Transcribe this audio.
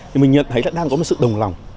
thì mình nhận thấy là đang có một sự đồng lòng